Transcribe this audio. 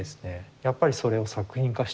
やっぱりそれを作品化してみようと。